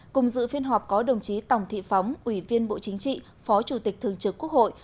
cùng dự phiên họp có đồng chí tòng thị phóng ủy viên bộ chính trị phó chủ tịch thường trực quốc hội